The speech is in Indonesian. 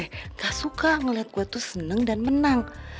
tidak suka ngelihat gue tuh seneng dan menang